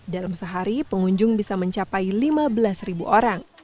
dalam sehari pengunjung bisa mencapai lima belas ribu orang